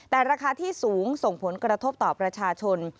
แต่ราคาที่สูงส่งผลกระทบต่อประชาชน